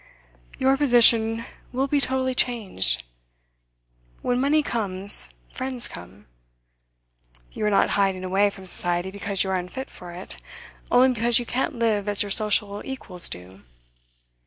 'Your position will be totally changed. When money comes, friends come. You are not hiding away from Society because you are unfit for it, only because you can't live as your social equals do.